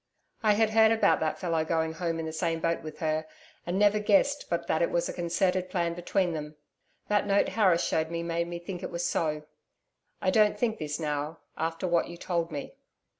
I had heard about that fellow going Home in the same boat with her, and never guessed but that it was a concerted plan between them. That note Harris showed me made me think it was so. I don't think this now after what you told me.